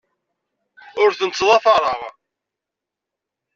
Ur tent-ttḍafareɣ.